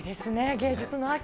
芸術の秋。